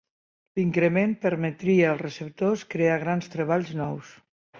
L'increment permetria als receptors crear grans treballs nous.